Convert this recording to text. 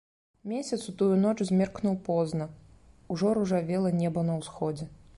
Месяц у тую ноч змеркнуў позна, ужо ружавела неба на ўсходзе.